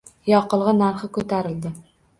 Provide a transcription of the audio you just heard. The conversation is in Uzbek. Yoqilg`i narxi ko`tarildi